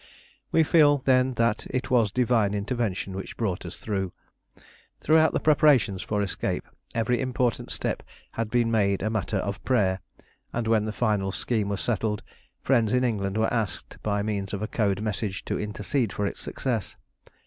We feel then that it was Divine intervention which brought us through. Throughout the preparations for escape every important step had been made a matter of prayer; and when the final scheme was settled, friends in England were asked, by means of a code message, to intercede for its success.